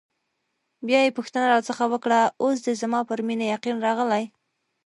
بیا یې پوښتنه راڅخه وکړه: اوس دې زما پر مینې یقین راغلی؟